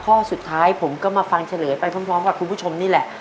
ข้อสุดท้ายผมก็มาฟังเฉลยไปพร้อมกับคุณผู้ชมนี่แหละ